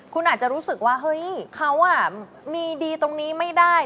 คุณอาจจะรู้สึกว่าเฮ้ยเขามีดีตรงนี้ไม่ได้